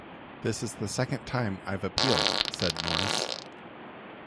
"This is the second time I've appealed," said Norris.